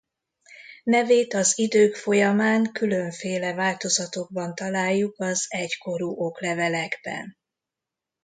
Nevét az idők folyamán különféle változatokban találjuk az egykorú oklevelekben.